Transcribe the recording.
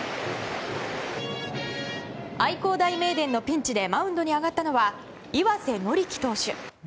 愛工大名電のピンチでマウンドに上がったのは岩瀬法樹投手。